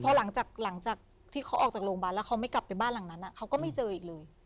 พอหลังจากที่เขาออกจากโรงพยาบาลแล้วเขาไม่กลับไปบ้านหลังนั้นเขาก็ไม่เจออีกเลย